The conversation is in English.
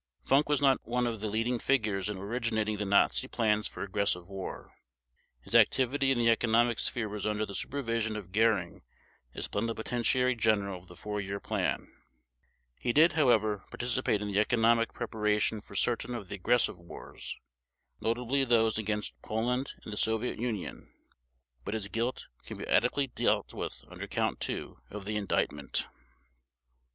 Funk was not one of the leading figures in originating the Nazi plans for aggressive war. His activity in the economic sphere was under the Supervision of Göring as Plenipotentiary General of the Four Year Plan. He did, however, participate in the economic preparation for certain of the aggressive wars, notably those against Poland and the Soviet Union, but his guilt can be adequately dealt with under Count Two of the Indictment.